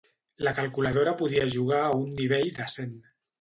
La calculadora podia jugar a un nivell decent.